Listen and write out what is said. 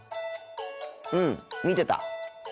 うん見てた。